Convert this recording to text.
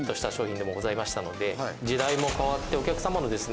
時代も変わってお客様のですね